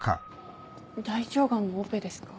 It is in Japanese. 大腸がんのオペですか？